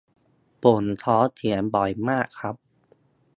ผมท้องเสียบ่อยมากครับ